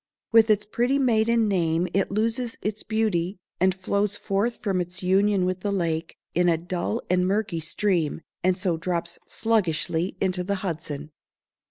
With its pretty maiden name it loses its beauty, and flows forth from its union with the lake, in a dull and murky stream, and so drops sluggishly into the Hudson.